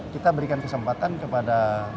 kita berikan kesempatan kepada